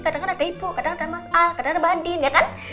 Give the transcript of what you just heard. kadang ada ibu kadang ada mas al kadang ada mbak andin ya kan